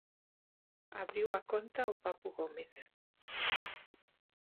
Abriu a conta o Papu Gómez.